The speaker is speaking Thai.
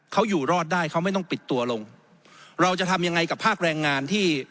เขาอยู่รอดได้เขาไม่ต้องปิดตัวลงเราจะทำยังไงกับภาคแรงงานที่